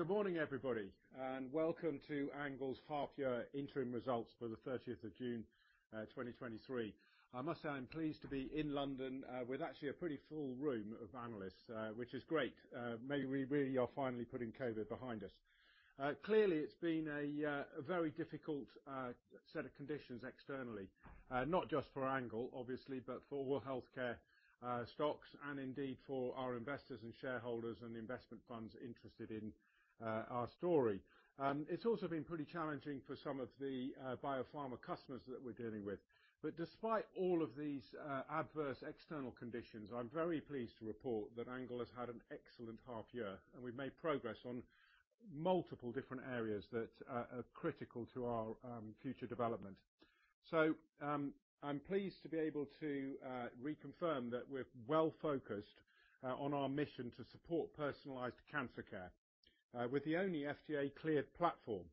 Good morning, everybody, and welcome to ANGLE's half year interim results for the 30th of June, 2023. I must say, I'm pleased to be in London, with actually a pretty full room of analysts, which is great. We are finally putting COVID behind us. Clearly, it's been a very difficult set of conditions externally, not just for ANGLE, obviously, but for all healthcare stocks and indeed for our investors and shareholders and investment funds interested in our story. It's also been pretty challenging for some of the biopharma customers that we're dealing with. But despite all of these adverse external conditions, I'm very pleased to report that ANGLE has had an excellent half year, and we've made progress on multiple different areas that are critical to our future development. I'm pleased to be able to reconfirm that we're well focused on our mission to support personalized cancer care with the only FDA-cleared platform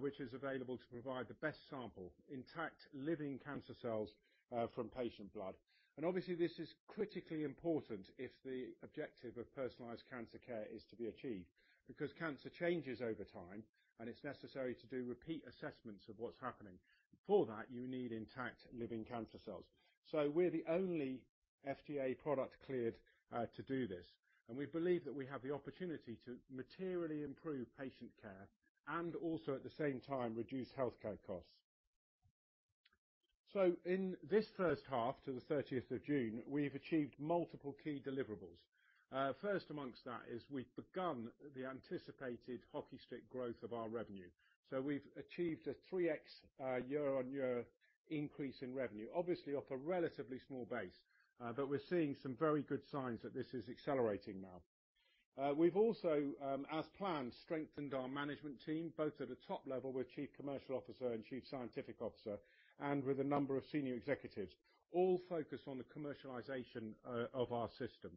which is available to provide the best sample, intact living cancer cells from patient blood. And obviously, this is critically important if the objective of personalized cancer care is to be achieved, because cancer changes over time, and it's necessary to do repeat assessments of what's happening. For that, you need intact living cancer cells. So we're the only FDA product cleared to do this, and we believe that we have the opportunity to materially improve patient care and also, at the same time, reduce healthcare costs. So in this first half to the 30th of June, we've achieved multiple key deliverables. First amongst that is we've begun the anticipated hockey stick growth of our revenue. So we've achieved a 3x year-on-year increase in revenue, obviously off a relatively small base, but we're seeing some very good signs that this is accelerating now. We've also, as planned, strengthened our management team, both at a top level with Chief Commercial Officer and Chief Scientific Officer, and with a number of senior executives, all focused on the commercialization of our system.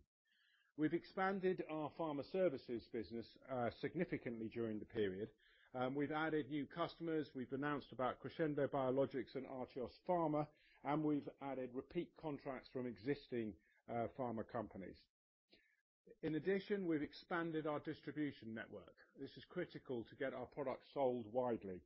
We've expanded our pharma services business significantly during the period. We've added new customers. We've announced about Crescendo Biologics and Artios Pharma, and we've added repeat contracts from existing pharma companies. In addition, we've expanded our distribution network. This is critical to get our products sold widely.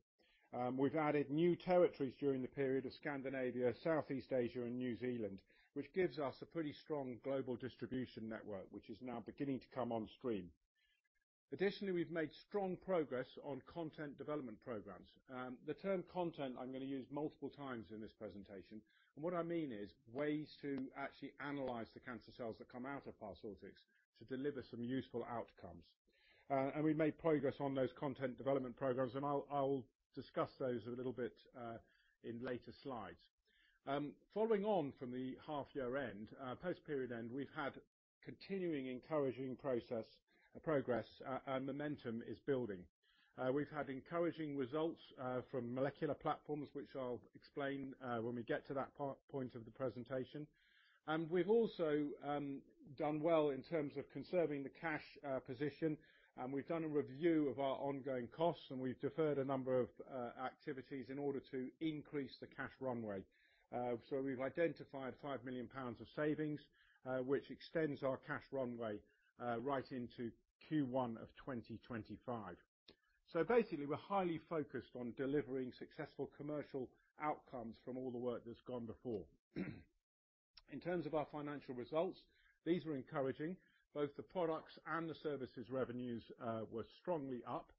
We've added new territories during the period of Scandinavia, Southeast Asia, and New Zealand, which gives us a pretty strong global distribution network, which is now beginning to come on stream. Additionally, we've made strong progress on content development programs. The term content I'm gonna use multiple times in this presentation, and what I mean is ways to actually analyze the cancer cells that come out of Parsortix to deliver some useful outcomes. And we made progress on those content development programs, and I'll discuss those a little bit in later slides. Following on from the half year end, post-period end, we've had continuing encouraging progress, and momentum is building. We've had encouraging results from molecular platforms, which I'll explain when we get to that point of the presentation. We've also done well in terms of conserving the cash position, and we've done a review of our ongoing costs, and we've deferred a number of activities in order to increase the cash runway. So we've identified 5 million pounds of savings, which extends our cash runway right into Q1 of 2025. So basically, we're highly focused on delivering successful commercial outcomes from all the work that's gone before. In terms of our financial results, these were encouraging. Both the products and the services revenues were strongly up.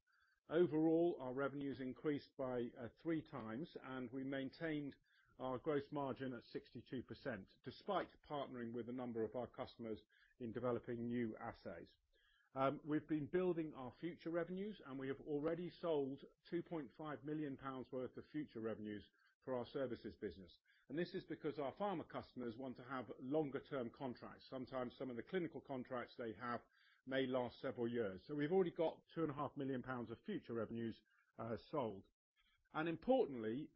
Overall, our revenues increased by three times, and we maintained our gross margin at 62%, despite partnering with a number of our customers in developing new assays. We've been building our future revenues, and we have already sold 2.5 million pounds worth of future revenues for our services business, and this is because our pharma customers want to have longer term contracts. Sometimes some of the clinical contracts they have may last several years. So we've already got 2.5 million pounds of future revenues sold. And importantly,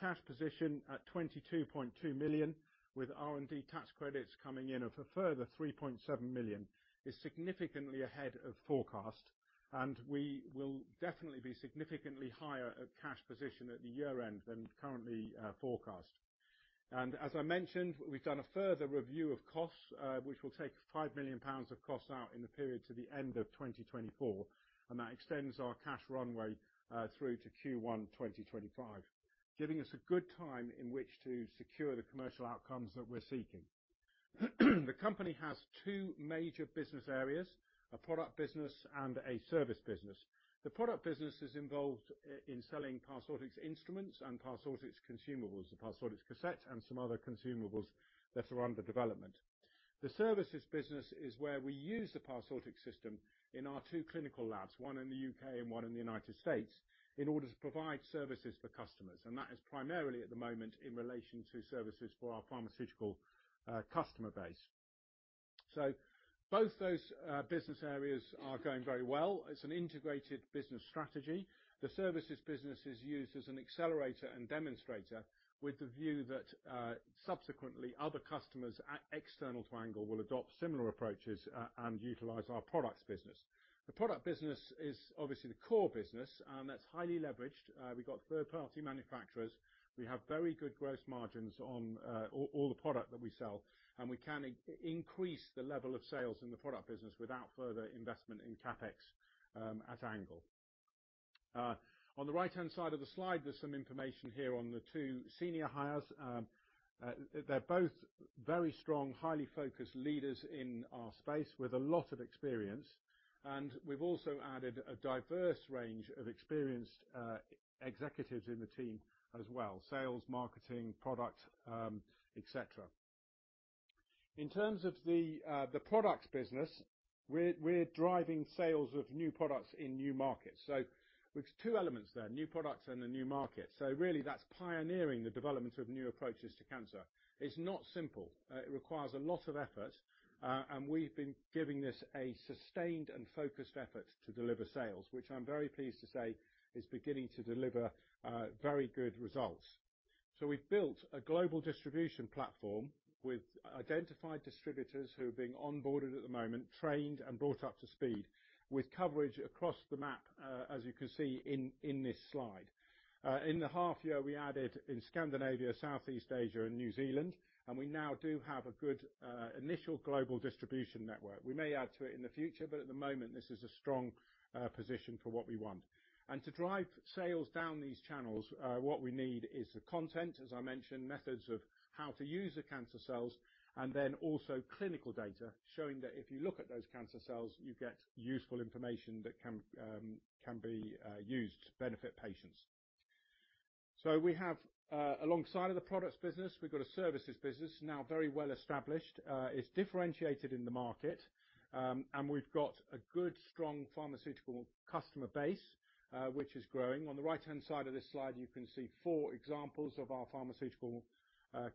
cash position at 22.2 million, with R&D tax credits coming in of a further 3.7 million, is significantly ahead of forecast, and we will definitely be significantly higher at cash position at the year-end than currently forecast. As I mentioned, we've done a further review of costs, which will take 5 million pounds of costs out in the period to the end of 2024, and that extends our cash runway, through to Q1 2025, giving us a good time in which to secure the commercial outcomes that we're seeking. The company has two major business areas, a product business and a service business. The product business is involved in selling Parsortix instruments and Parsortix consumables, the Parsortix cassette, and some other consumables that are under development. The services business is where we use the Parsortix system in our two clinical labs, one in the UK and one in the United States, in order to provide services for customers, and that is primarily at the moment in relation to services for our pharmaceutical customer base. So both those business areas are going very well. It's an integrated business strategy. The services business is used as an accelerator and demonstrator with the view that, subsequently, other customers external to ANGLE will adopt similar approaches, and utilize our products business. The product business is obviously the core business, and that's highly leveraged. We got third-party manufacturers. We have very good gross margins on all the product that we sell, and we can increase the level of sales in the product business without further investment in CapEx at ANGLE. On the right-hand side of the slide, there's some information here on the two senior hires. They're both very strong, highly focused leaders in our space with a lot of experience, and we've also added a diverse range of experienced executives in the team as well, sales, marketing, product, et cetera. In terms of the products business, we're driving sales of new products in new markets. So there's two elements there, new products and the new markets. So really, that's pioneering the development of new approaches to cancer. It's not simple. It requires a lot of effort, and we've been giving this a sustained and focused effort to deliver sales, which I'm very pleased to say is beginning to deliver very good results. So we've built a global distribution platform with identified distributors who are being onboarded at the moment, trained and brought up to speed, with coverage across the map, as you can see in this slide. In the half year, we added in Scandinavia, Southeast Asia, and New Zealand, and we now do have a good initial global distribution network. We may add to it in the future, but at the moment, this is a strong position for what we want. To drive sales down these channels, what we need is the content, as I mentioned, methods of how to use the cancer cells, and then also clinical data showing that if you look at those cancer cells, you get useful information that can be used to benefit patients. So we have, alongside of the products business, we've got a services business, now very well established. It's differentiated in the market, and we've got a good, strong pharmaceutical customer base, which is growing. On the right-hand side of this slide, you can see four examples of our pharmaceutical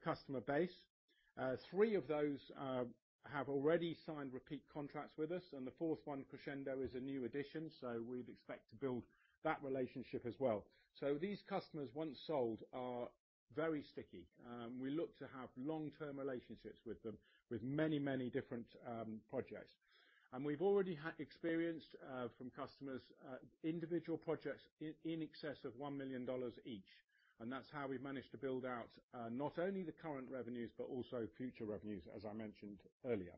customer base. Three of those have already signed repeat contracts with us, and the fourth one, Crescendo, is a new addition, so we'd expect to build that relationship as well. So these customers, once sold, are very sticky. We look to have long-term relationships with them with many, many different projects. And we've already had experience from customers, individual projects in excess of $1 million each, and that's how we've managed to build out, not only the current revenues, but also future revenues, as I mentioned earlier.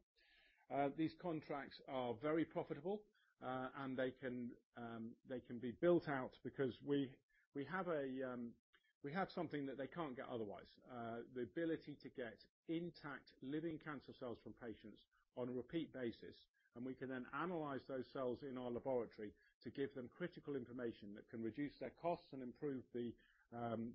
These contracts are very profitable, and they can be built out because we have something that they can't get otherwise, the ability to get intact living cancer cells from patients on a repeat basis, and we can then analyze those cells in our laboratory to give them critical information that can reduce their costs and improve the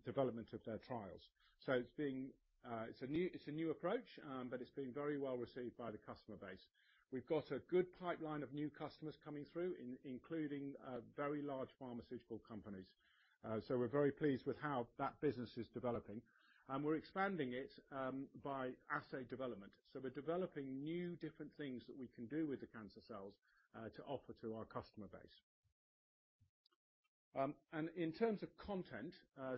development of their trials. So it's a new approach, but it's been very well received by the customer base. We've got a good pipeline of new customers coming through, including very large pharmaceutical companies. So we're very pleased with how that business is developing, and we're expanding it by assay development. So we're developing new, different things that we can do with the cancer cells to offer to our customer base. And in terms of content,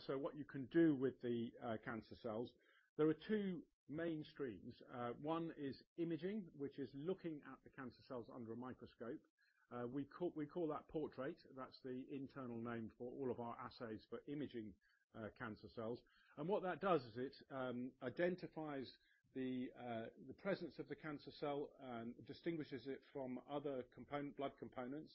so what you can do with the cancer cells, there are two main streams. One is imaging, which is looking at the cancer cells under a microscope. We call, we call that Portrait. That's the internal name for all of our assays for imaging cancer cells. And what that does is it identifies the presence of the cancer cell and distinguishes it from other component, blood components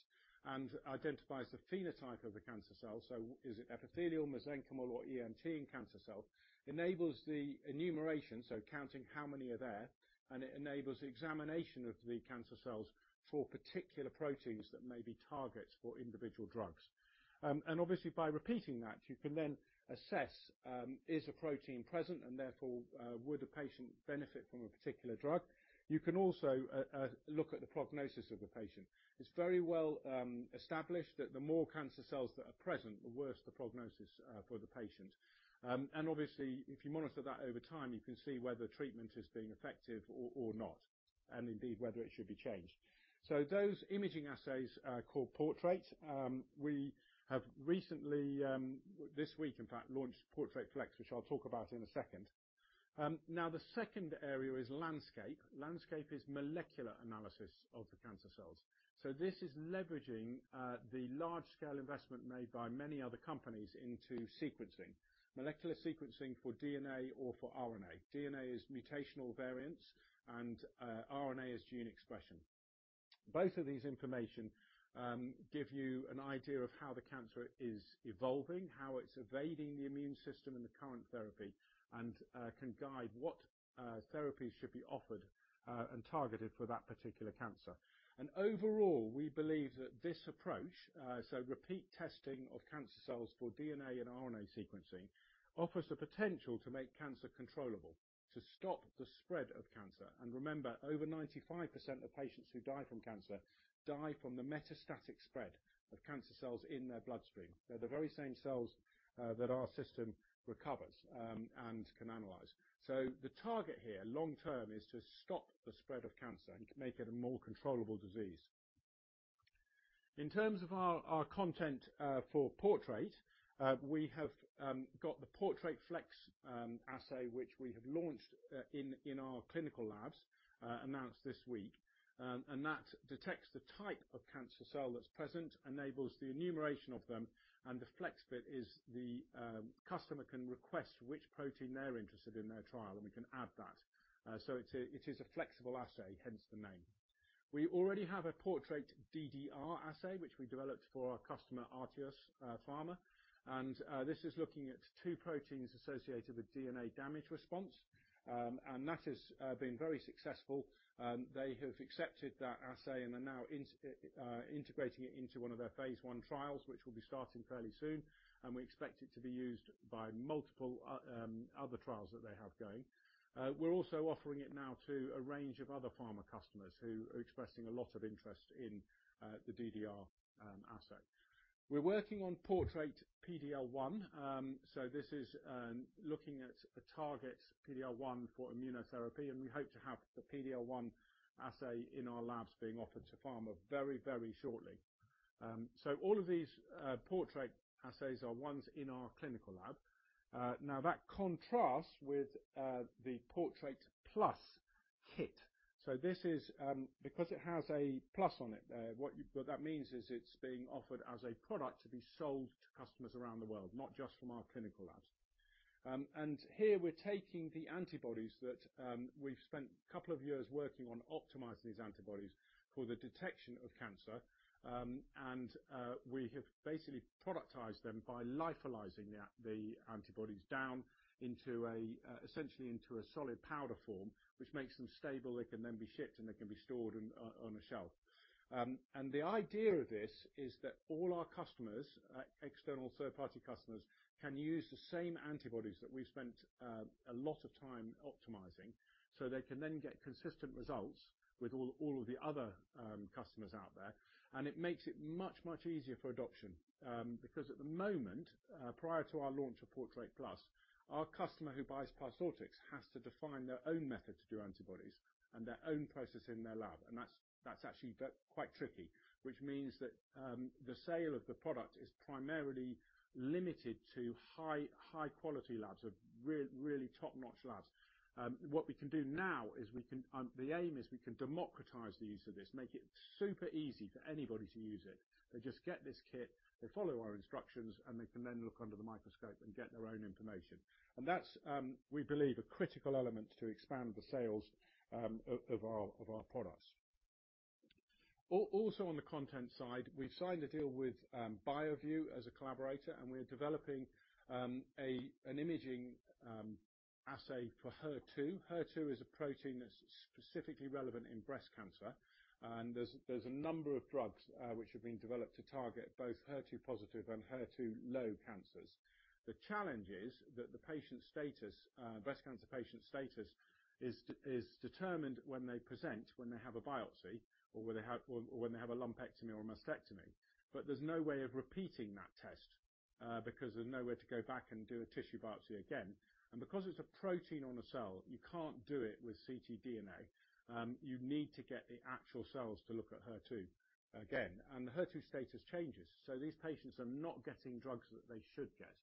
and identifies the phenotype of the cancer cell. So is it epithelial, mesenchymal, or EMT in cancer cell? Enables the enumeration, so counting how many are there, and it enables the examination of the cancer cells for particular proteins that may be targets for individual drugs. And obviously, by repeating that, you can then assess, is a protein present, and therefore, would a patient benefit from a particular drug. You can also look at the prognosis of the patient. It's very well established that the more cancer cells that are present, the worse the prognosis for the patient. And obviously, if you monitor that over time, you can see whether treatment is being effective or, or not, and indeed, whether it should be changed. So those imaging assays are called Portrait. We have recently, this week, in fact, launched Portrait Flex, which I'll talk about in a second. Now the second area is landscape. Landscape is molecular analysis of the cancer cells. So this is leveraging the large-scale investment made by many other companies into sequencing, molecular sequencing for DNA or for RNA. DNA is mutational variance, and RNA is gene expression. Both of these information give you an idea of how the cancer is evolving, how it's evading the immune system and the current therapy, and can guide what therapies should be offered, and targeted for that particular cancer. Overall, we believe that this approach, so repeat testing of cancer cells for DNA and RNA sequencing, offers the potential to make cancer controllable, to stop the spread of cancer. Remember, over 95% of patients who die from cancer, die from the metastatic spread of cancer cells in their bloodstream. They're the very same cells that our system recovers, and can analyze. The target here, long term, is to stop the spread of cancer and make it a more controllable disease. In terms of our content for Portrait, we have got the Portrait Flex assay, which we have launched in our clinical labs, announced this week. And that detects the type of cancer cell that's present, enables the enumeration of them, and the flex bit is the customer can request which protein they're interested in their trial, and we can add that. So it is a flexible assay, hence the name. We already have a Portrait DDR assay, which we developed for our customer, Artios Pharma. And this is looking at two proteins associated with DNA damage response. And that has been very successful. They have accepted that assay and are now integrating it into one of their phase one trials, which will be starting fairly soon, and we expect it to be used by multiple other trials that they have going. We're also offering it now to a range of other pharma customers who are expressing a lot of interest in the DDR assay. We're working on Portrait PD-L1. So this is looking at a target, PD-L1, for immunotherapy, and we hope to have the PD-L1 assay in our labs being offered to pharma very, very shortly. So all of these Portrait assays are ones in our clinical lab. Now, that contrasts with the Portrait+ kit. So this is because it has a plus on it there, what that means is it's being offered as a product to be sold to customers around the world, not just from our clinical labs. And here we're taking the antibodies that we've spent a couple of years working on optimizing these antibodies for the detection of cancer. And we have basically productized them by lyophilizing the antibodies down into a essentially into a solid powder form, which makes them stable. They can then be shipped, and they can be stored on a shelf. And the idea of this is that all our customers, external third-party customers, can use the same antibodies that we've spent a lot of time optimizing, so they can then get consistent results with all, all of the other customers out there. And it makes it much, much easier for adoption, because at the moment, prior to our launch of Portrait+, our customer who buys Parsortix has to define their own method to do antibodies and their own process in their lab. And that's, that's actually quite tricky, which means that the sale of the product is primarily limited to high, high-quality labs, so really top-notch labs. What we can do now is we can. The aim is we can democratize the use of this, make it super easy for anybody to use it. They just get this kit, they follow our instructions, and they can then look under the microscope and get their own information. And that's, we believe, a critical element to expand the sales of our products. Also, on the content side, we've signed a deal with BioView as a collaborator, and we're developing an imaging assay for HER2. HER2 is a protein that's specifically relevant in breast cancer, and there's a number of drugs which are being developed to target both HER2 positive and HER2 low cancers. The challenge is that the patient's status, breast cancer patient status, is determined when they present, when they have a biopsy or when they have a lumpectomy or a mastectomy. But there's no way of repeating that test, because there's nowhere to go back and do a tissue biopsy again. And because it's a protein on a cell, you can't do it with ctDNA. You need to get the actual cells to look at HER2 again, and the HER2 status changes, so these patients are not getting drugs that they should get.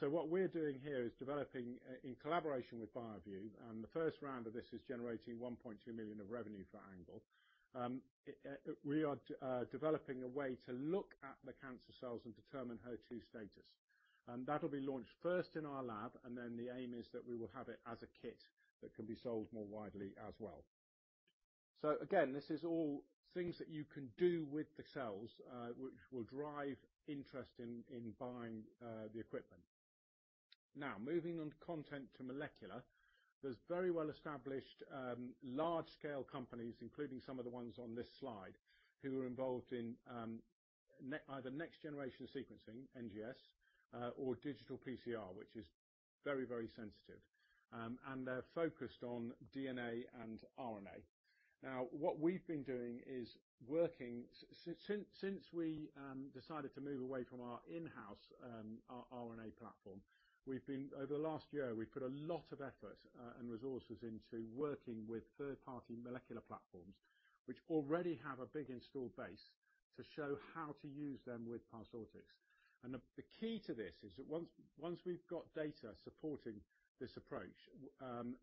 So what we're doing here is developing, in collaboration with BioView, and the first round of this is generating 1.2 million of revenue for ANGLE. We are developing a way to look at the cancer cells and determine HER2 status. And that'll be launched first in our lab, and then the aim is that we will have it as a kit that can be sold more widely as well. So again, this is all things that you can do with the cells, which will drive interest in buying the equipment. Now, moving on to molecular, there's very well-established large-scale companies, including some of the ones on this slide, who are involved in either next-generation sequencing, NGS, or digital PCR, which is very, very sensitive. And they're focused on DNA and RNA. Now, what we've been doing is working since we decided to move away from our in-house RNA platform, we've been, over the last year, we've put a lot of effort and resources into working with third-party molecular platforms, which already have a big installed base, to show how to use them with Parsortix. The key to this is that once we've got data supporting this approach,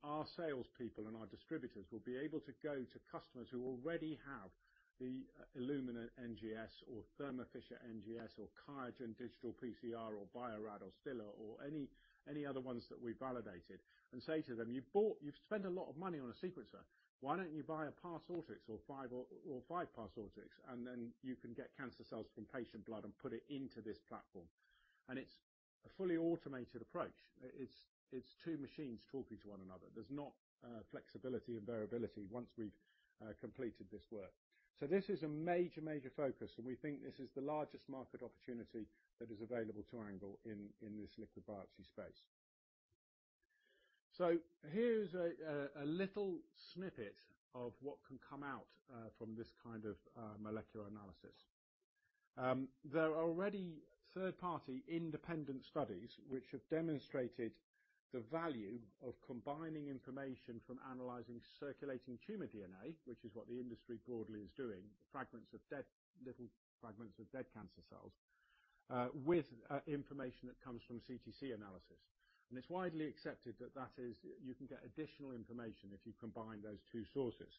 our salespeople and our distributors will be able to go to customers who already have the Illumina NGS or Thermo Fisher NGS or QIAGEN digital PCR or Bio-Rad or Stilla or any other ones that we validated, and say to them: You've spent a lot of money on a sequencer. Why don't you buy a Parsortix or five Parsortix, and then you can get cancer cells from patient blood and put it into this platform? It's a fully automated approach. It's two machines talking to one another. There's not flexibility and variability once we've completed this work. So this is a major, major focus, and we think this is the largest market opportunity that is available to ANGLE in this liquid biopsy space. So here's a little snippet of what can come out from this kind of molecular analysis. There are already third-party independent studies which have demonstrated the value of combining information from analyzing circulating tumor DNA, which is what the industry broadly is doing, fragments of dead, little fragments of dead cancer cells, with information that comes from CTC analysis. It's widely accepted that that is, you can get additional information if you combine those two sources.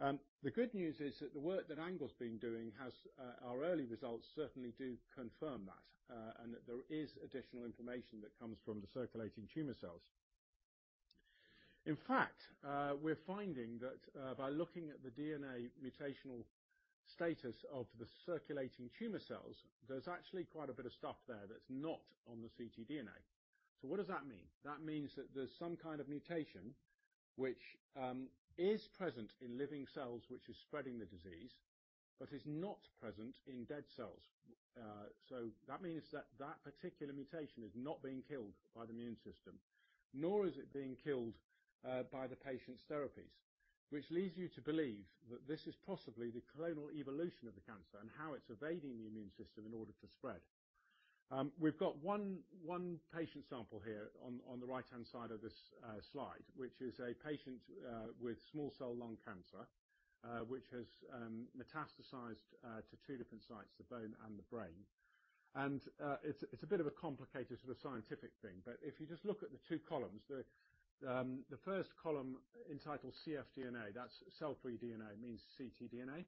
The good news is that the work that ANGLE's been doing has our early results certainly do confirm that, and that there is additional information that comes from the circulating tumor cells. In fact, we're finding that by looking at the DNA mutational status of the circulating tumor cells, there's actually quite a bit of stuff there that's not on the ctDNA. So what does that mean? That means that there's some kind of mutation which is present in living cells, which is spreading the disease, but is not present in dead cells. So that means that that particular mutation is not being killed by the immune system, nor is it being killed by the patient's therapies. Which leads you to believe that this is possibly the clonal evolution of the cancer and how it's evading the immune system in order to spread. We've got one patient sample here on the right-hand side of this slide, which is a patient with small cell lung cancer, which has metastasized to two different sites, the bone and the brain. And it's a bit of a complicated sort of scientific thing, but if you just look at the two columns, the first column entitled cfDNA, that's cell-free DNA, means ctDNA.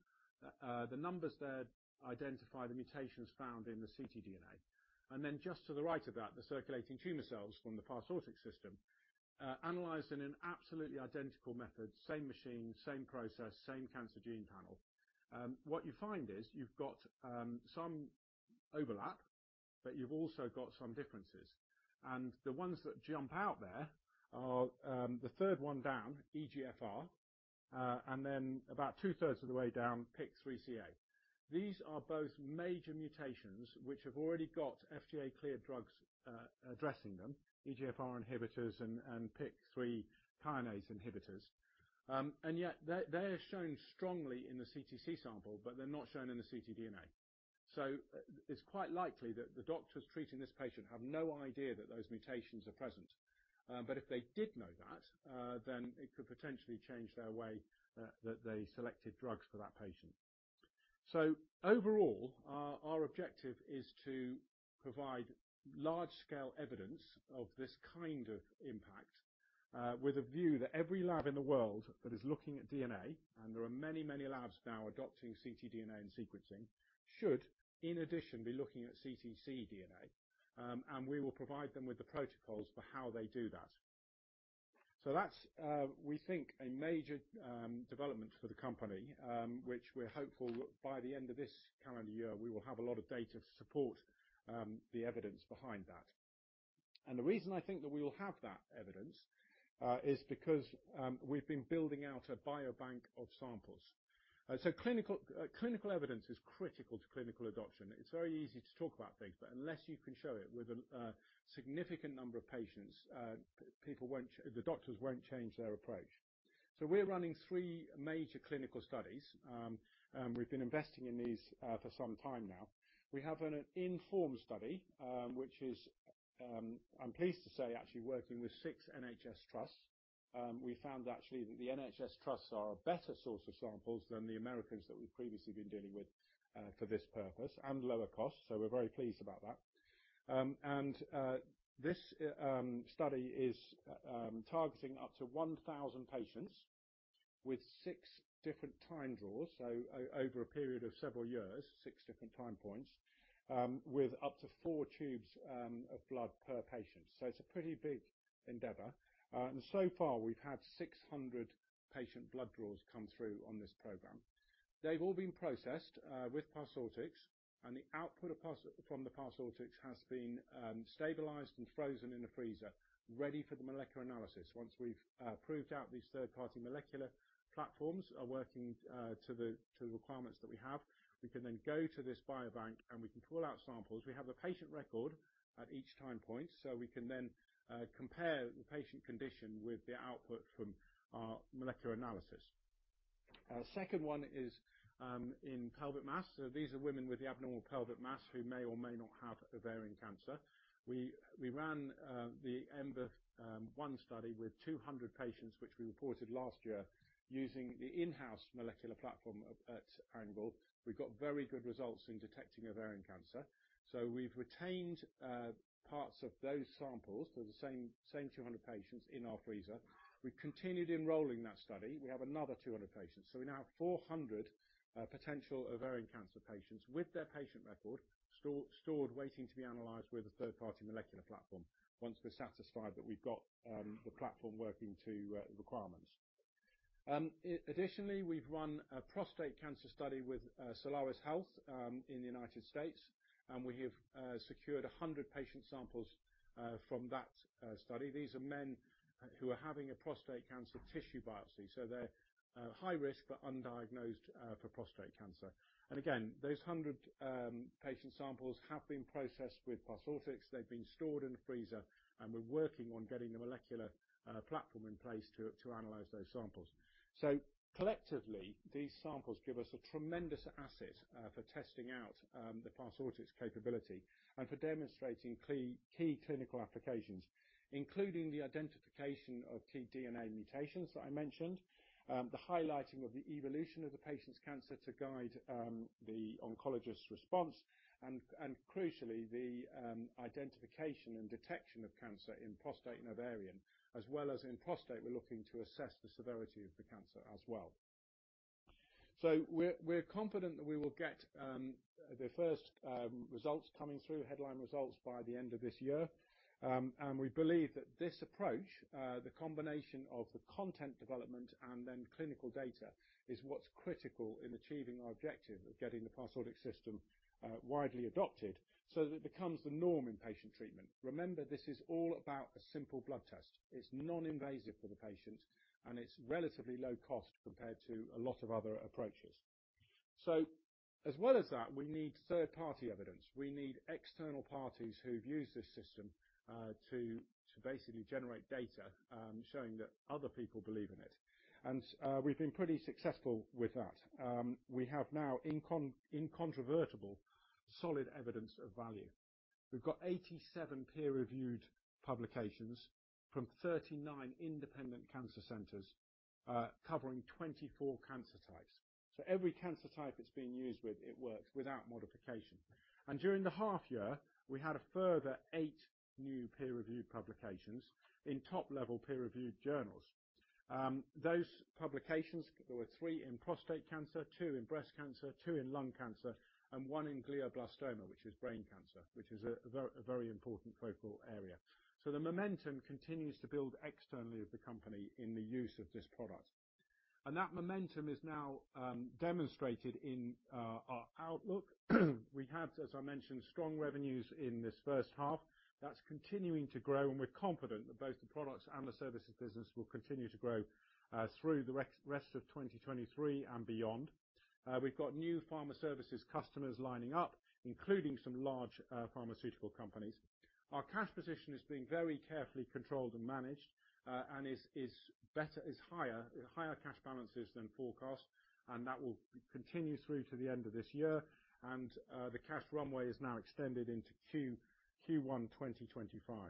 The numbers there identify the mutations found in the ctDNA. And then just to the right of that, the circulating tumor cells from the Parsortix system, analyzed in an absolutely identical method, same machine, same process, same cancer gene panel. What you find is you've got some overlap, but you've also got some differences. The ones that jump out there are the third one down, EGFR, and then about two-thirds of the way down, PIK3CA. These are both major mutations which have already got FDA-cleared drugs addressing them, EGFR inhibitors and PIK3 kinase inhibitors. And yet they are shown strongly in the CTC sample, but they're not shown in the ctDNA. So it's quite likely that the doctors treating this patient have no idea that those mutations are present. But if they did know that, then it could potentially change their way that they selected drugs for that patient. So overall, our objective is to provide large-scale evidence of this kind of impact with a view that every lab in the world that is looking at DNA, and there are many, many labs now adopting ctDNA and sequencing, should, in addition, be looking at ctDNA. And we will provide them with the protocols for how they do that. So that's, we think, a major development for the company, which we're hopeful that by the end of this calendar year, we will have a lot of data to support the evidence behind that. And the reason I think that we will have that evidence is because we've been building out a biobank of samples. So clinical evidence is critical to clinical adoption. It's very easy to talk about things, but unless you can show it with a significant number of patients, people won't—the doctors won't change their approach. So we're running three major clinical studies, and we've been investing in these for some time now. We have an INFORMED study, which is, I'm pleased to say, actually working with six NHS trusts. We found actually that the NHS trusts are a better source of samples than the Americans that we've previously been dealing with for this purpose, and lower cost, so we're very pleased about that. And this study is targeting up to 1,000 patients with six different time draws, so over a period of several years, six different time points, with up to four tubes of blood per patient. So it's a pretty big endeavor. And so far, we've had 600 patient blood draws come through on this program. They've all been processed with Parsortix, and the output from the Parsortix has been stabilized and frozen in a freezer, ready for the molecular analysis. Once we've proved out these third-party molecular platforms are working to the requirements that we have, we can then go to this biobank, and we can pull out samples. We have a patient record at each time point, so we can then compare the patient condition with the output from our molecular analysis. Second one is in pelvic mass. So these are women with the abnormal pelvic mass who may or may not have ovarian cancer. We ran the EMBER-1 study with 200 patients, which we reported last year, using the in-house molecular platform at ANGLE. We got very good results in detecting ovarian cancer. So we've retained parts of those samples, so the same 200 patients in our freezer. We've continued enrolling that study. We have another 200 patients, so we now have 400 potential ovarian cancer patients with their patient record stored, waiting to be analyzed with a third-party molecular platform once we're satisfied that we've got the platform working to requirements. Additionally, we've run a prostate cancer study with Solaris Health in the United States, and we have secured 100 patient samples from that study. These are men who are having a prostate cancer tissue biopsy, so they're high risk, but undiagnosed for prostate cancer. Again, those 100 patient samples have been processed with Parsortix. They've been stored in a freezer, and we're working on getting the molecular platform in place to analyze those samples. So collectively, these samples give us a tremendous asset for testing out the Parsortix capability and for demonstrating key clinical applications, including the identification of ctDNA mutations that I mentioned, the highlighting of the evolution of the patient's cancer to guide the oncologist's response, and crucially, the identification and detection of cancer in prostate and ovarian. As well as in prostate, we're looking to assess the severity of the cancer as well. So we're confident that we will get the first results coming through, headline results, by the end of this year. And we believe that this approach, the combination of the content development and then clinical data, is what's critical in achieving our objective of getting the Parsortix system widely adopted so that it becomes the norm in patient treatment. Remember, this is all about a simple blood test. It's non-invasive for the patient, and it's relatively low cost compared to a lot of other approaches. So as well as that, we need third-party evidence. We need external parties who've used this system to basically generate data showing that other people believe in it, and we've been pretty successful with that. We have now incontrovertible, solid evidence of value. We've got 87 peer-reviewed publications from 39 independent cancer centers, covering 24 cancer types. So every cancer type it's being used with, it works without modification. During the half year, we had a further 8 new peer-reviewed publications in top-level, peer-reviewed journals. Those publications, there were 3 in prostate cancer, 2 in breast cancer, 2 in lung cancer, and 1 in glioblastoma, which is brain cancer, which is a very, a very important focal area. So the momentum continues to build externally of the company in the use of this product, and that momentum is now demonstrated in our outlook. We have, as I mentioned, strong revenues in this first half. That's continuing to grow, and we're confident that both the products and the services business will continue to grow through the rest of 2023 and beyond. We've got new pharma services customers lining up, including some large pharmaceutical companies. Our cash position is being very carefully controlled and managed, and is higher, higher cash balances than forecast, and that will continue through to the end of this year. The cash runway is now extended into Q1 2025.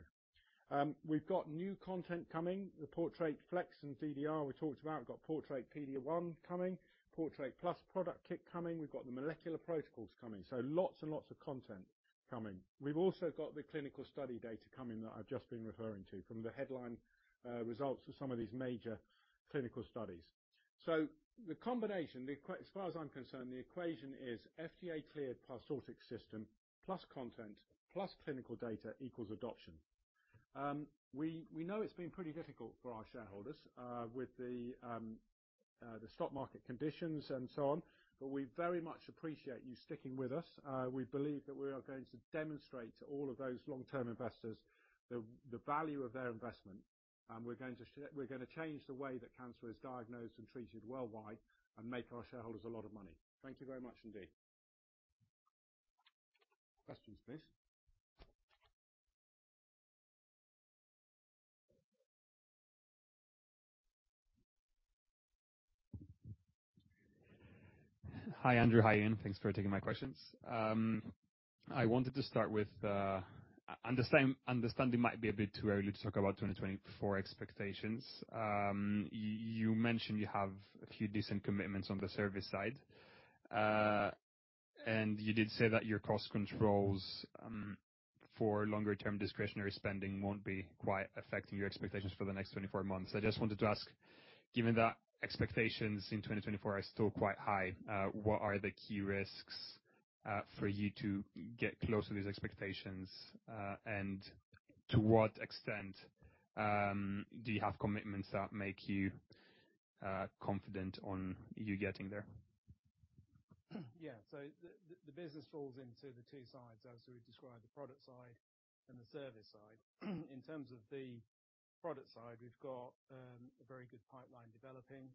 We've got new content coming. The Portrait Flex and DDR, we talked about. We've got Portrait PD-L1 coming, Portrait Plus product kit coming. We've got the molecular protocols coming, so lots and lots of content coming. We've also got the clinical study data coming, that I've just been referring to, from the headline results of some of these major clinical studies. So the combination, as far as I'm concerned, the equation is FDA-cleared Parsortix system, plus content, plus clinical data, equals adoption. We know it's been pretty difficult for our shareholders with the stock market conditions and so on, but we very much appreciate you sticking with us. We believe that we are going to demonstrate to all of those long-term investors the value of their investment, and we're gonna change the way that cancer is diagnosed and treated worldwide, and make our shareholders a lot of money. Thank you very much indeed. Questions, please. Hi, Andrew. Hi, Ian. Thanks for taking my questions. I wanted to start with understanding it might be a bit too early to talk about 2024 expectations. You mentioned you have a few decent commitments on the service side, and you did say that your cost controls for longer term discretionary spending won't be quite affecting your expectations for the next 24 months. I just wanted to ask, given that expectations in 2024 are still quite high, what are the key risks for you to get close to these expectations? And to what extent do you have commitments that make you confident on you getting there? Yeah. So the business falls into the two sides, as we've described, the product side and the service side. In terms of the product side, we've got a very good pipeline developing.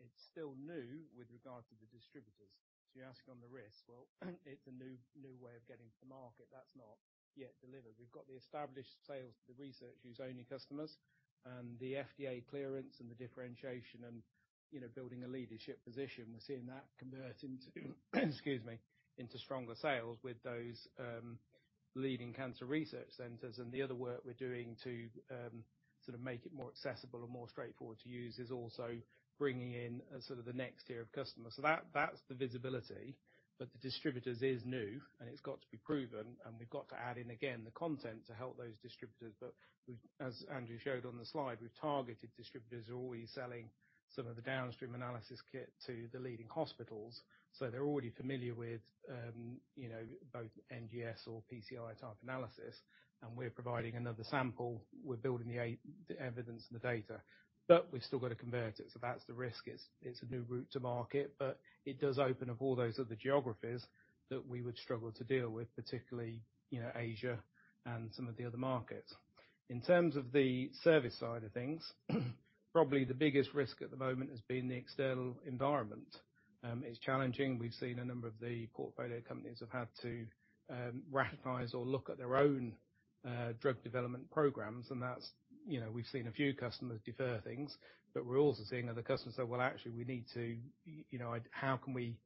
It's still new with regard to the distributors. So you're asking on the risks. Well, it's a new way of getting to the market that's not yet delivered. We've got the established sales, the research, whose only customers, and the FDA clearance and the differentiation and, you know, building a leadership position. We're seeing that convert into, excuse me, into stronger sales with those leading cancer research centers. And the other work we're doing to sort of make it more accessible and more straightforward to use is also bringing in sort of the next tier of customers. So that, that's the visibility. But the distributors is new, and it's got to be proven, and we've got to add in, again, the content to help those distributors. But as Andrew showed on the slide, we've targeted distributors who are already selling some of the downstream analysis kit to the leading hospitals. So they're already familiar with, you know, both NGS or dPCR type analysis, and we're providing another sample. We're building the evidence and the data, but we've still got to convert it. So that's the risk. It's, it's a new route to market, but it does open up all those other geographies that we would struggle to deal with, particularly, you know, Asia and some of the other markets. In terms of the service side of things, probably the biggest risk at the moment has been the external environment. It's challenging. We've seen a number of the portfolio companies have had to ratify or look at their own drug development programs, and that's, you know, we've seen a few customers defer things, but we're also seeing other customers say, "Well, actually, we need to... You know, how can we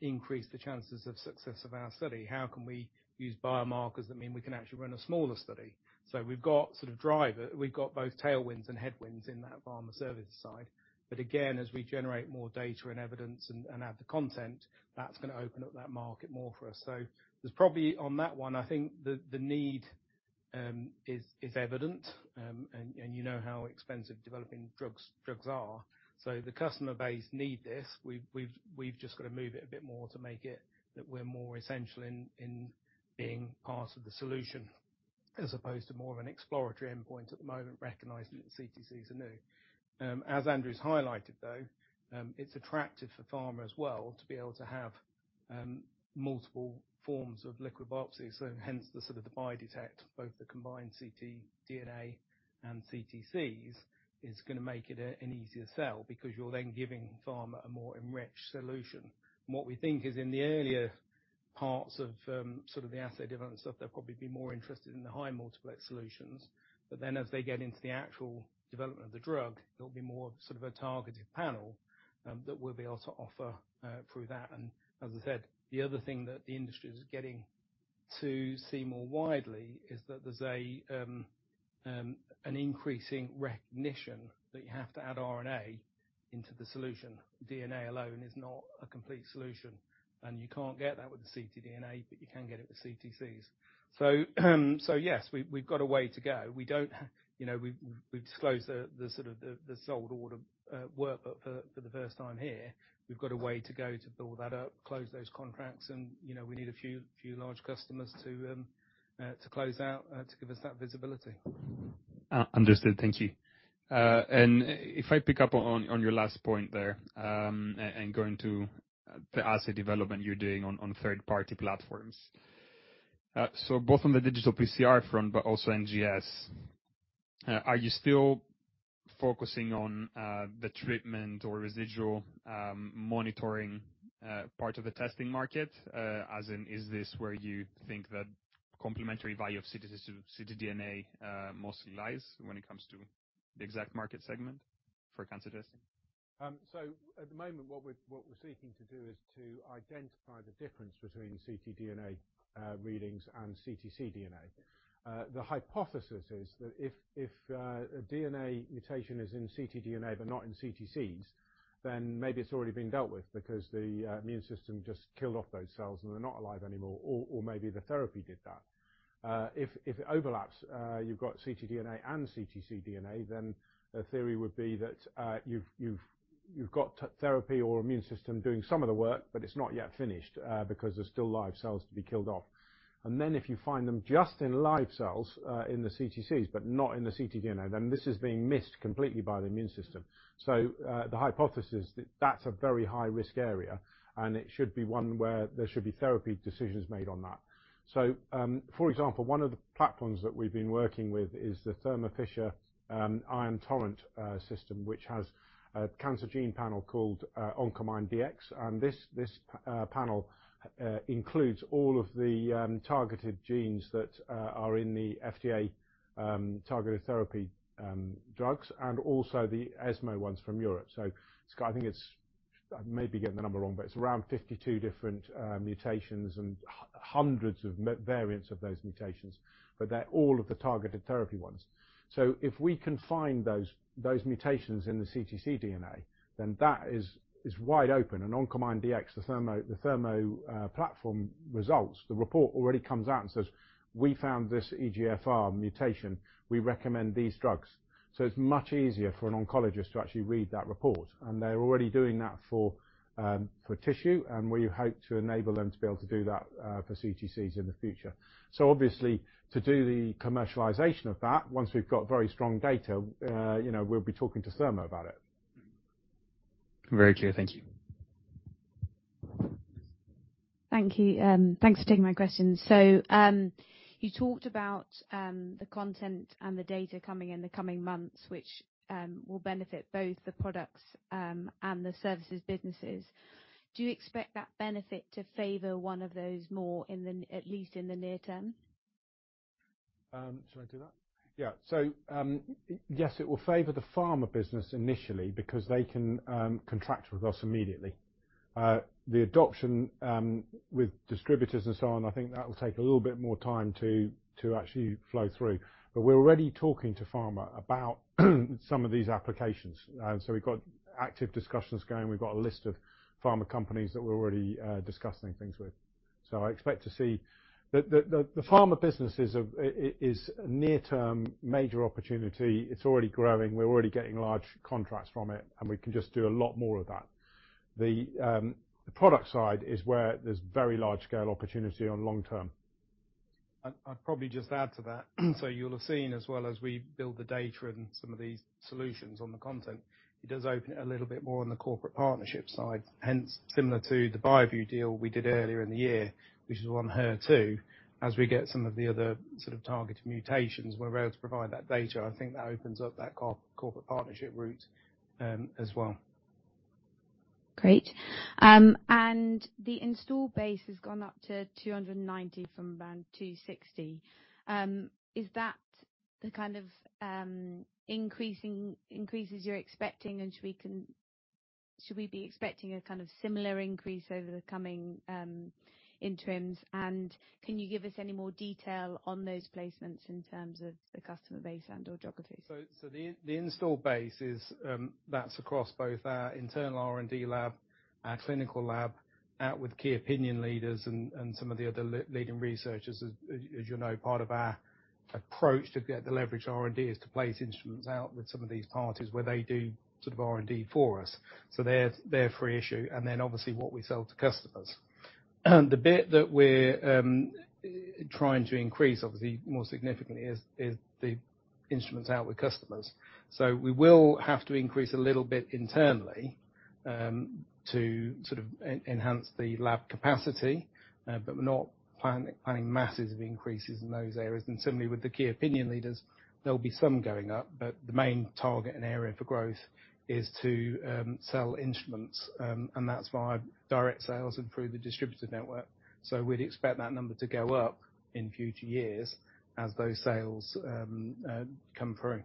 increase the chances of success of our study? How can we use biomarkers that mean we can actually run a smaller study?" So we've got both tailwinds and headwinds in that pharma service side. But again, as we generate more data and evidence and add the content, that's gonna open up that market more for us. So there's probably, on that one, I think the need is evident. And you know how expensive developing drugs are. So the customer base need this. We've just got to move it a bit more to make it that we're more essential in being part of the solution, as opposed to more of an exploratory endpoint at the moment, recognizing that CTCs are new. As Andrew's highlighted, though, it's attractive for pharma as well to be able to have multiple forms of liquid biopsies, so hence, the sort of BioDetect, both the combined ctDNA and CTCs, is gonna make it an easier sell, because you're then giving pharma a more enriched solution. What we think is, in the earlier parts of sort of the asset development stuff, they'll probably be more interested in the high multiplex solutions, but then as they get into the actual development of the drug, it'll be more sort of a targeted panel that we'll be able to offer through that. As I said, the other thing that the industry is getting to see more widely is that there's an increasing recognition that you have to add RNA into the solution. DNA alone is not a complete solution, and you can't get that with the ctDNA, but you can get it with CTCs. So yes, we've got a way to go. We don't, you know, we've disclosed the sort of sold order work, but for the first time here. We've got a way to go to build that up, close those contracts, and, you know, we need a few large customers to close out to give us that visibility. Understood. Thank you. And if I pick up on your last point there, and going to the asset development you're doing on third-party platforms. So both on the digital PCR front, but also NGS, are you still focusing on the treatment or residual monitoring part of the testing market? As in, is this where you think the complementary value of ctDNA mostly lies when it comes to the exact market segment for cancer testing? So at the moment, what we're seeking to do is to identify the difference between ctDNA readings and CTC DNA. The hypothesis is that, if, if a DNA mutation is in ctDNA, but not in CTCs, then maybe it's already been dealt with, because the immune system just killed off those cells, and they're not alive anymore or, or maybe the therapy did that. If it overlaps, you've got ctDNA and CTC DNA, then the theory would be that, you've got therapy or immune system doing some of the work, but it's not yet finished, because there's still live cells to be killed off. And then, if you find them just in live cells, in the CTCs, but not in the ctDNA, then this is being missed completely by the immune system. So, the hypothesis, that's a very high-risk area, and it should be one where there should be therapy decisions made on that. So, for example, one of the platforms that we've been working with is the Thermo Fisher Ion Torrent system, which has a cancer gene panel called Oncomine Dx. And this panel includes all of the targeted genes that are in the FDA targeted therapy drugs, and also the ESMO ones from Europe. So it's -- I think it's... I may be getting the number wrong, but it's around 52 different mutations and hundreds of variants of those mutations, but they're all of the targeted therapy ones. So if we can find those mutations in the CTC DNA, then that is wide open, and Oncomine Dx, the Thermo platform, results, the report already comes out and says, "We found this EGFR mutation. We recommend these drugs." So it's much easier for an oncologist to actually read that report, and they're already doing that for tissue, and we hope to enable them to be able to do that for CTCs in the future. So obviously, to do the commercialization of that, once we've got very strong data, you know, we'll be talking to Thermo about it. Very clear. Thank you. Thank you. Thanks for taking my questions. So, you talked about the content and the data coming in the coming months, which will benefit both the products and the services businesses. Do you expect that benefit to favor one of those more in the, at least in the near term? Shall I do that? Yeah. So, yes, it will favor the pharma business initially, because they can contract with us immediately. The adoption with distributors and so on, I think that will take a little bit more time to actually flow through. But we're already talking to pharma about some of these applications. So we've got active discussions going. We've got a list of pharma companies that we're already discussing things with. So I expect to see the pharma business is a near-term major opportunity. It's already growing. We're already getting large contracts from it, and we can just do a lot more of that. The product side is where there's very large-scale opportunity on long term. I'd probably just add to that. So you'll have seen as well as we build the data and some of these solutions on the content, it does open it a little bit more on the corporate partnership side. Hence, similar to the BioView deal we did earlier in the year, which is on HER2, as we get some of the other sort of targeted mutations, we're able to provide that data. I think that opens up that corporate partnership route, as well. Great. And the install base has gone up to 290 from around 260. Is that the kind of increasing, increases you're expecting, and should we be expecting a kind of similar increase over the coming interims? And can you give us any more detail on those placements in terms of the customer base and or geographies? So the install base is, that's across both our internal R&D lab, our clinical lab, out with key opinion leaders and some of the other leading researchers. As you know, part of our approach to get the leverage R&D is to place instruments out with some of these parties, where they do sort of R&D for us. So they're free issue, and then obviously, what we sell to customers. The bit that we're trying to increase, obviously, more significantly is the instruments out with customers. So we will have to increase a little bit internally, to sort of enhance the lab capacity, but we're not planning masses of increases in those areas. Certainly, with the key opinion leaders, there'll be some going up, but the main target and area for growth is to sell instruments. That's via direct sales and through the distributor network. We'd expect that number to go up in future years as those sales come through.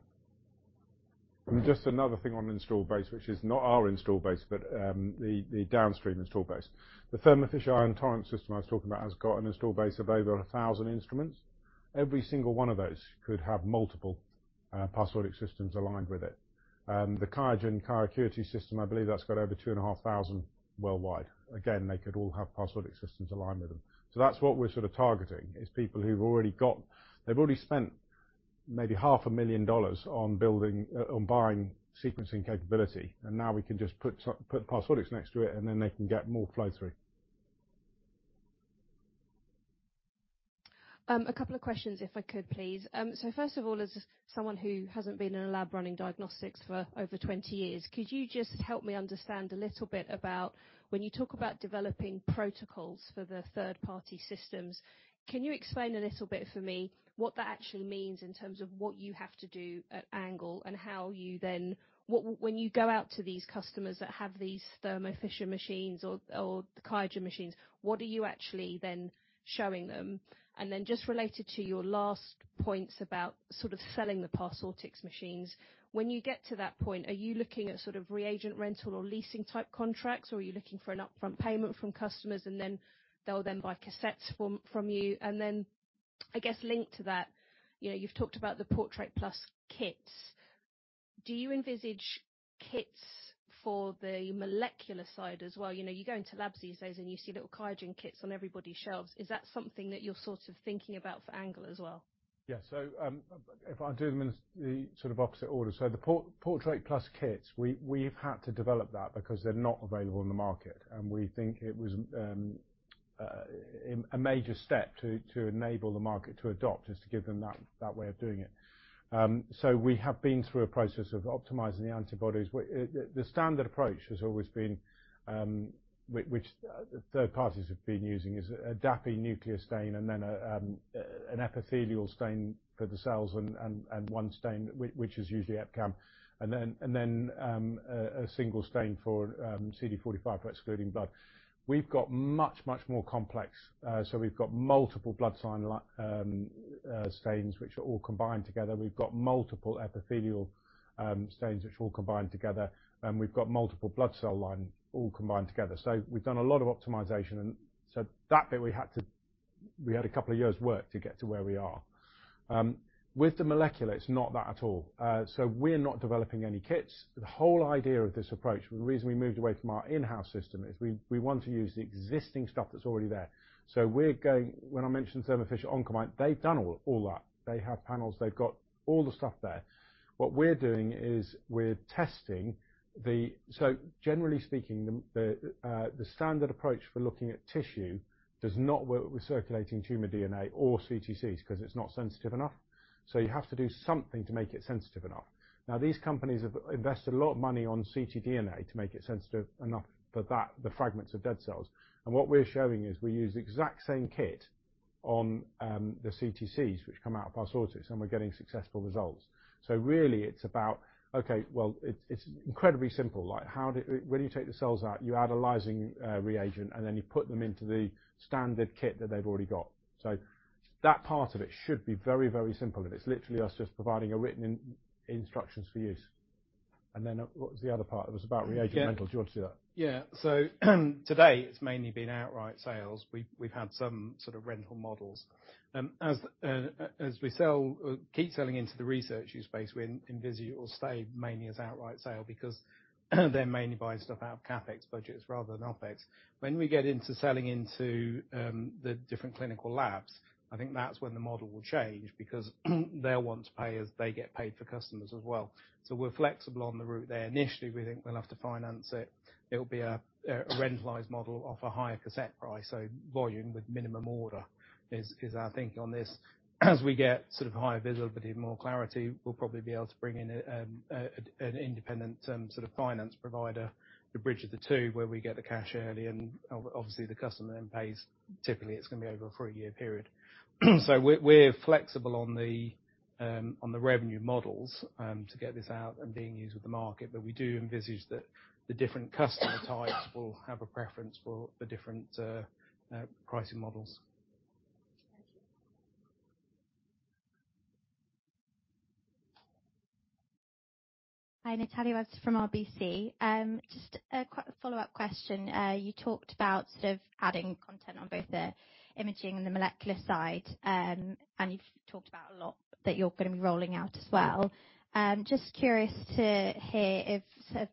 And just another thing on install base, which is not our install base, but the downstream install base. The Thermo Fisher Ion Torrent system I was talking about has got an install base of over 1,000 instruments. Every single one of those could have multiple Parsortix systems aligned with it. The QIAGEN QIAcuity system, I believe that's got over 2,500 worldwide. Again, they could all have Parsortix systems aligned with them. So that's what we're sort of targeting, is people who've already got. They've already spent maybe $500,000 on building on buying sequencing capability, and now we can just put Parsortix next to it, and then they can get more flow through. A couple of questions if I could, please. So first of all, as someone who hasn't been in a lab running diagnostics for over 20 years, could you just help me understand a little bit about when you talk about developing protocols for the third-party systems, can you explain a little bit for me what that actually means in terms of what you have to do at ANGLE and how you then, what, when you go out to these customers that have these Thermo Fisher machines or, or the QIAGEN machines, what are you actually then showing them? And then just related to your last points about sort of selling the Parsortix machines, when you get to that point, are you looking at sort of reagent, rental, or leasing type contracts, or are you looking for an upfront payment from customers, and then they'll then buy cassettes from, from you? And then, I guess, linked to that, you know, you've talked about the Portrait Plus kits. Do you envisage kits for the molecular side as well? You know, you go into labs these days, and you see little QIAGEN kits on everybody's shelves. Is that something that you're sort of thinking about for ANGLE as well? Yeah. So, if I do them in the sort of opposite order, so the Portrait Plus kits, we, we've had to develop that because they're not available in the market, and we think it was a major step to enable the market to adopt, just to give them that way of doing it. So we have been through a process of optimizing the antibodies. The standard approach has always been, which third parties have been using, is a DAPI nuclear stain and then an epithelial stain for the cells and one stain, which is usually EpCAM, and then a single stain for CD45 for excluding blood. We've got much more complex. So we've got multiple blood sign stains, which are all combined together. We've got multiple epithelial stains, which all combine together, and we've got multiple blood cell line all combined together. So we've done a lot of optimization, and so that bit, we had to-- We had a couple of years work to get to where we are. With the molecular, it's not that at all. So we're not developing any kits. The whole idea of this approach, and the reason we moved away from our in-house system, is we, we want to use the existing stuff that's already there. So we're going-- When I mentioned Thermo Fisher Oncomine, they've done all, all that. They have panels. They've got all the stuff there. What we're doing is we're testing the-- So generally speaking, the, the, the standard approach for looking at tissue does not work with circulating tumor DNA or CTCs, because it's not sensitive enough. So you have to do something to make it sensitive enough. Now, these companies have invested a lot of money on ctDNA to make it sensitive enough for that, the fragments of dead cells. And what we're showing is we use the exact same kit on the CTCs, which come out of Parsortix, and we're getting successful results. So really, it's about, okay, well, it's incredibly simple, like, when you take the cells out, you add a lysing reagent, and then you put them into the standard kit that they've already got. So that part of it should be very, very simple, and it's literally us just providing written instructions for use. And then, what was the other part? It was about reagent rentals. Yeah. Do you want to do that? Yeah. So, today, it's mainly been outright sales. We've had some sort of rental models. As we keep selling into the research use space, we envisage it will stay mainly as outright sale because they're mainly buying stuff out of CapEx budgets rather than OpEx. When we get into selling into the different clinical labs, I think that's when the model will change because they'll want to pay as they get paid for customers as well. So we're flexible on the route there. Initially, we think we'll have to finance it. It'll be a rentalized model off a higher cassette price, so volume with minimum order is our thinking on this. As we get sort of higher visibility and more clarity, we'll probably be able to bring in an independent sort of finance provider to bridge the two, where we get the cash early and obviously, the customer then pays. Typically, it's going to be over a three-year period. So we're flexible on the revenue models to get this out and being used with the market, but we do envisage that the different customer types will have a preference for the different pricing models.... Hi, Natalia Webster from RBC. Just a follow-up question. You talked about sort of adding content on both the imaging and the molecular side, and you've talked about a lot that you're going to be rolling out as well. Just curious to hear if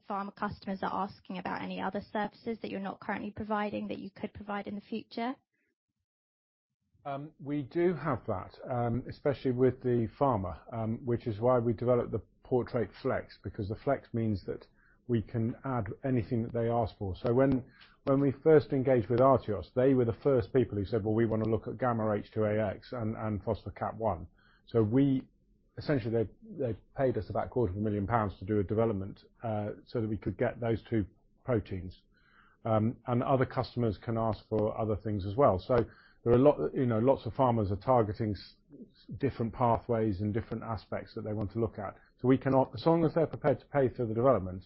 pharma customers are asking about any other services that you're not currently providing, that you could provide in the future? We do have that, especially with the pharma, which is why we developed the Portrait Flex, because the Flex means that we can add anything that they ask for. So when we first engaged with Artios, they were the first people who said, "Well, we want to look at gamma-H2AX and phospho-KAP1." So essentially, they paid us about 250,000 pounds to do a development, so that we could get those two proteins. And other customers can ask for other things as well. So there are a lot, you know, lots of pharmas are targeting different pathways and different aspects that they want to look at. So we can offer that as long as they're prepared to pay for the development,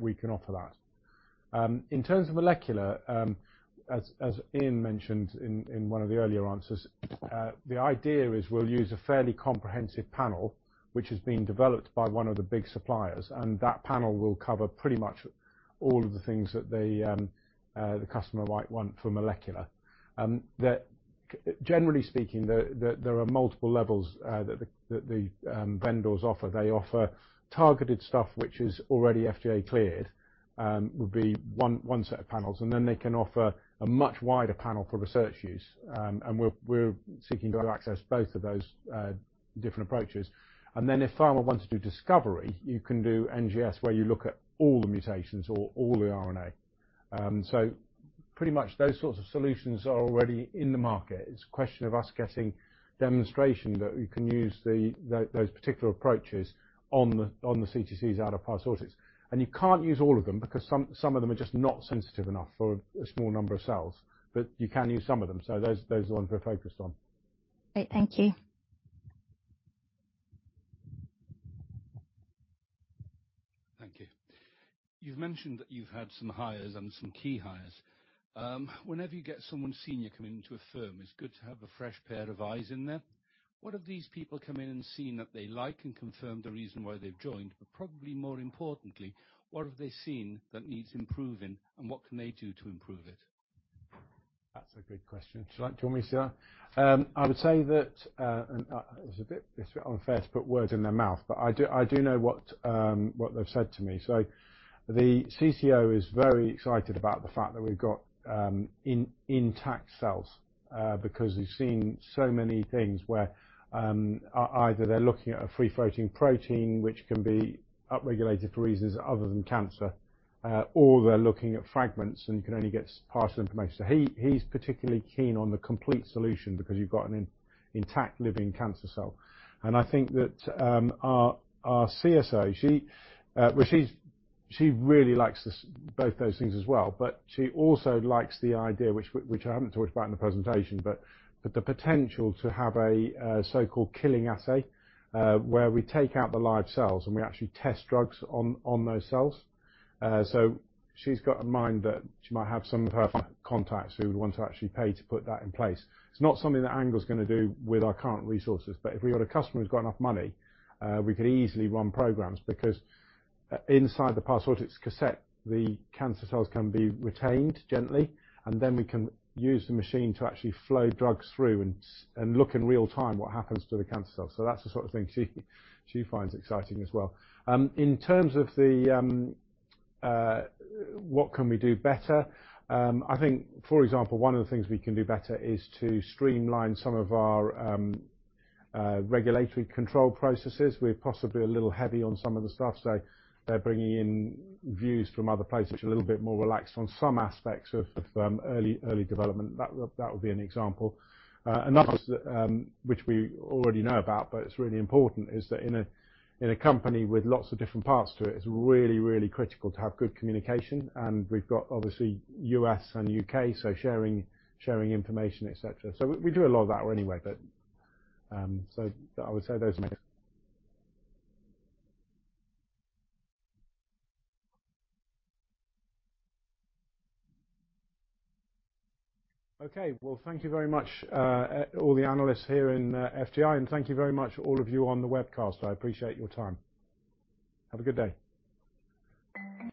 we can offer that. In terms of molecular, as Ian mentioned in one of the earlier answers, the idea is we'll use a fairly comprehensive panel, which is being developed by one of the big suppliers, and that panel will cover pretty much all of the things that the customer might want for molecular. Generally speaking, there are multiple levels that the vendors offer. They offer targeted stuff, which is already FDA cleared, would be one set of panels, and then they can offer a much wider panel for research use. And we're seeking to access both of those different approaches. And then, if pharma wants to do discovery, you can do NGS, where you look at all the mutations or all the RNA. So pretty much those sorts of solutions are already in the market. It's a question of us getting demonstration that we can use those particular approaches on the CTCs out of Parsortix. And you can't use all of them because some of them are just not sensitive enough for a small number of cells, but you can use some of them. So those are the ones we're focused on. Great. Thank you. Thank you. You've mentioned that you've had some hires and some key hires. Whenever you get someone senior coming into a firm, it's good to have a fresh pair of eyes in there. What have these people come in and seen that they like and confirm the reason why they've joined? But probably more importantly, what have they seen that needs improving, and what can they do to improve it? That's a great question. Would you like to answer that? I would say that... and, it's a bit unfair to put words in their mouth, but I do know what they've said to me. So the CCO is very excited about the fact that we've got intact cells because he's seen so many things where either they're looking at a free-floating protein, which can be upregulated for reasons other than cancer, or they're looking at fragments, and you can only get partial information. So he's particularly keen on the complete solution because you've got an intact living cancer cell. And I think that our CSO she really likes this, both those things as well, but she also likes the idea, which I haven't talked about in the presentation, but the potential to have a so-called killing assay, where we take out the live cells, and we actually test drugs on those cells. So she's got in mind that she might have some of her contacts who would want to actually pay to put that in place. It's not something that ANGLE's going to do with our current resources, but if we've got a customer who's got enough money, we could easily run programs because inside the Parsortix cassette, the cancer cells can be retained gently, and then we can use the machine to actually flow drugs through and look in real time what happens to the cancer cells. So that's the sort of thing she finds exciting as well. In terms of the what can we do better? I think, for example, one of the things we can do better is to streamline some of our regulatory control processes. We're possibly a little heavy on some of the stuff, so they're bringing in views from other places which are a little bit more relaxed on some aspects of early development. That would, that would be an example. Another is that, which we already know about, but it's really important, is that in a, in a company with lots of different parts to it, it's really, really critical to have good communication, and we've got obviously U.S. and U.K., so sharing, sharing information, et cetera. So we, we do a lot of that anyway, but, so I would say those are my- Okay. Well, thank you very much, all the analysts here in FTI, and thank you very much, all of you on the webcast. I appreciate your time. Have a good day.